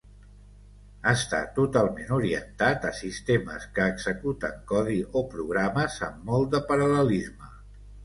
Està totalment orientat a sistemes que executen codi o programes amb molt de paral·lelisme.